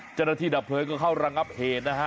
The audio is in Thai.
เจ้าหน้าที่ดับเผยก็เข้ารังอัพเพจนะฮะ